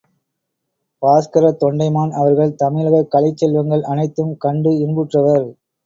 பாஸ்கரத் தொண்டைமான் அவர்கள் தமிழகக் கலைச் செல்வங்கள் அனைத்தும் கண்டு இன்புற்றவர்.